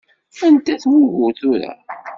Anda-t wugur tura?